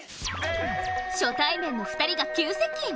初対面の２人が急接近。